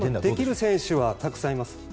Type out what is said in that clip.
できる選手はたくさんいます。